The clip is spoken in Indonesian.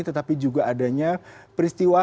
tetapi juga adanya peristiwa perintah dan juga modus